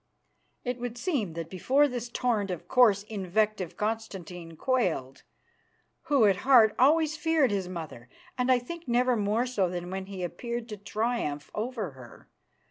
It would seem that before this torrent of coarse invective Constantine quailed, who at heart always feared his mother, and I think never more so than when he appeared to triumph over her.